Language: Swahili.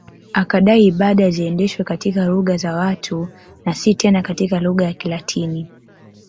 Akadai ibada ziendeshwe katika lugha za watu na si tena katika lugha ya Kilatini